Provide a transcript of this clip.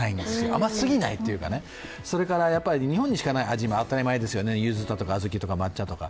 甘すぎないというかね、それから日本にしかない味、当たり前ですよね、ゆずだとかあずきだとか抹茶とか。